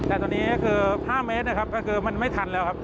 แต่ตอนนี้คือ๕เมตรมันไม่ทันแล้วครับ